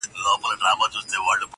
لکه شمع په خپل ځان کي ویلېدمه -